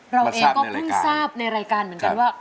เราเองก็เพิ่งทราบในรายการเหมือนกันว่า